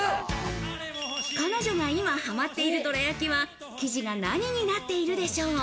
彼女は今ハマっているどら焼きは、生地が何になっているでしょう？